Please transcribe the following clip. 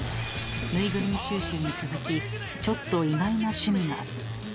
［ぬいぐるみ収集に続きちょっと意外な趣味が］